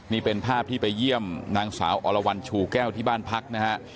นี่เป็นภาพที่ไปเยี่ยมนางสาวอรวรรณชูแก้วที่บ้านพักนะฮะ